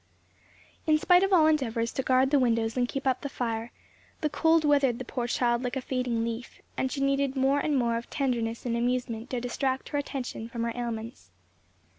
In spite of all endeavours to guard the windows and keep up the fire, the cold withered the poor child like a fading leaf, and she needed more and more of tenderness and amusement to distract her attention from her ailments.